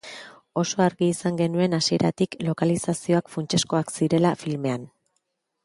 Oso argi izan genuen hasieratik lokalizazioak funtsezkoak zirela filmean.